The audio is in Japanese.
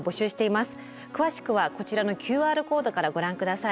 詳しくはこちらのＱＲコードからご覧下さい。